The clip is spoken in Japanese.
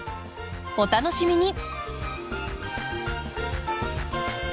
お楽しみに。